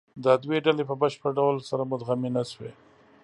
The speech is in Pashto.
دا دوې ډلې په بشپړ ډول سره مدغمې نهشوې.